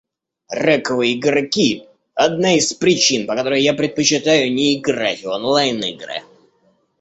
Раковые игроки — одна из причин, по которой я предпочитаю не играть в онлайн-игры.